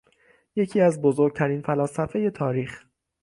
یکی از بزرگترین فلاسفهٔ تاریخ